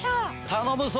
頼むぞ！